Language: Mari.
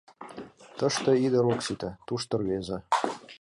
— Тыште ӱдыр ок сите, тушто — рвезе.